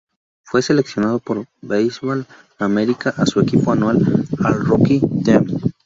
Fue seleccionado por Baseball America a su equipo anual "All-Rookie team".